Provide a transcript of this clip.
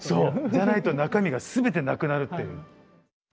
じゃないと中身が全てなくなるっていう。